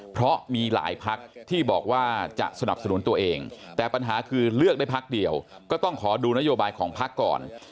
เพราะมีหลายพักที่บอกว่าจะสนับสนุนตัวเองแต่ปัญหาคือเลือกได้พักเดียวก็ต้องขอดูนโยบายของพักก่อน